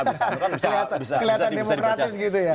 kelihatan demokratis gitu ya